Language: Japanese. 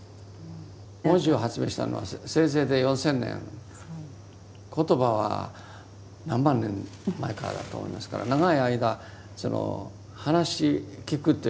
文字を発明したのはせいぜいで４，０００年言葉は何万年前からだと思いますから長い間その話聞くという言葉しかなかった。